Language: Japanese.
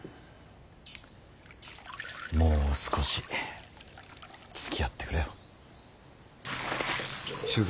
もう少しつきあってくれよ。